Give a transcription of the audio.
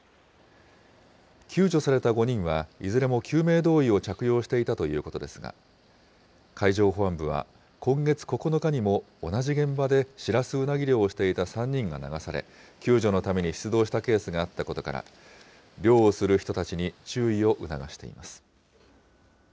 救助された５人は、いずれも救命胴衣を着用していたということですが、海上保安部は今月９日にも、同じ現場でシラスウナギ漁をしていた３人が流され、救助のために出動したケースがあったことから、漁をする人たちに注意を促しています。